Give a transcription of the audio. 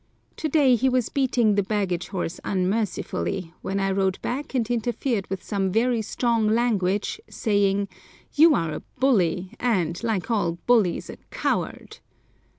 To day he was beating the baggage horse unmercifully, when I rode back and interfered with some very strong language, saying, "You are a bully, and, like all bullies, a coward."